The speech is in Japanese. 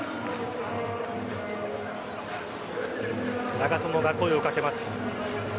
長友が声を掛けます。